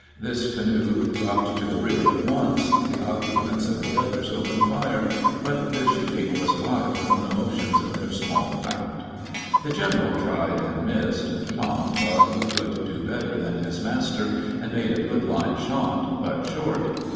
This canoe dropped to the rear at once; the occupants of the others opened fire, but their shooting was wild from the motions of their small craft. The general tried and missed; Tom thought he could do better than his master, and made a good line shot, but short.